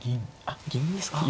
あっ銀ですか。